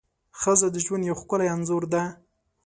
ښځه د ژوند یو ښکلی انځور ده.